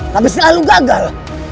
tapi selalu gagal